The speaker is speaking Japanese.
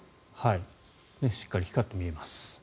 しっかり光って見えます。